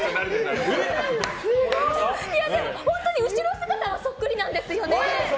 でも本当に後ろ姿はそっくりなんですよね。